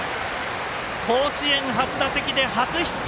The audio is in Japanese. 甲子園初打席で初ヒット！